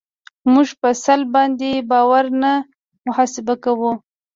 موږ په سلب باندې بارونه محاسبه کوو